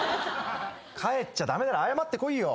帰っちゃ駄目だろ謝ってこいよ。